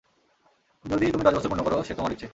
যদি তুমি দশ বছর পূর্ণ কর, সে তোমার ইচ্ছে।